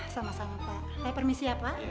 sama sama pak eh permisi ya pak